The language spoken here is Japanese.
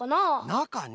なかね。